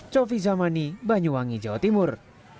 cofi zamani banyuwangi jawa timur